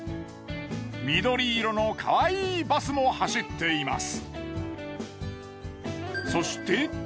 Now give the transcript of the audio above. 緑色のかわいいバスも走っています。